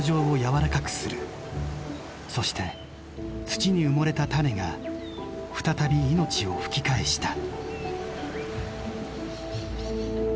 そして土に埋もれた種が再び命を吹き返した。